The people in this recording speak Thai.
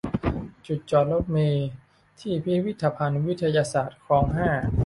จุดจอดรถเมล์ที่ พิพิธภัณฑ์วิทยาศาสตร์ คลอง ห้า